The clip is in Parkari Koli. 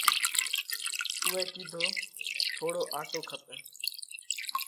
اُوئہ ڪِيڌو: ٿوڙو آٽو کپئه۔